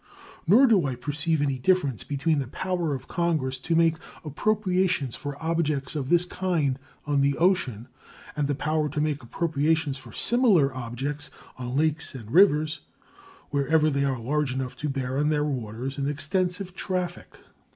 Nor do I perceive any difference between the power of Congress to make appropriations for objects of this kind on the ocean and the power to make appropriations for similar objects on lakes and rivers, wherever they are large enough to bear on their waters an extensive traffic.